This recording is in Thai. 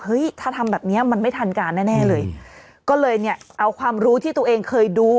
ถ้าทำแบบเนี้ยมันไม่ทันการแน่แน่เลยก็เลยเนี่ยเอาความรู้ที่ตัวเองเคยดู